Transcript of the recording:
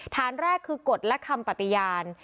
ฐานแรกคือกฎและคำปฏิญาณ